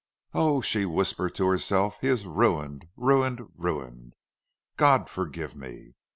"Oh," she whispered to herself, "he is ruined ruined ruined!... God forgive me!"